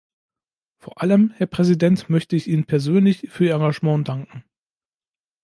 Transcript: Vor allem, Herr Präsident, möchte ich Ihnen persönlich für Ihr Engagement danken.